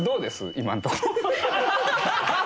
今のとこ。